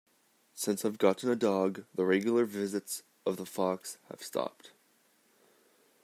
Since I've gotten a dog, the regular visits of the fox have stopped.